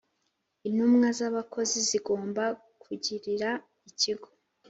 Intumwa z abakozi zigomba kugirira Ikigo